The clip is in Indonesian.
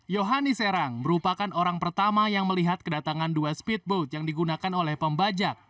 yohani serang merupakan orang pertama yang melihat kedatangan dua speedboat yang digunakan oleh pembajak